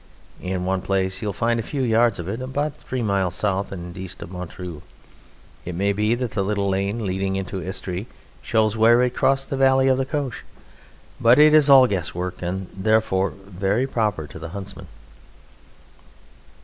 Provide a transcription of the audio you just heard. In one place you find a few yards of it about three miles south and east of Montreuil. It may be that the little lane leading into Estrée shows where it crossed the valley of the Cauche, but it is all guesswork, and therefore very proper to the huntsman.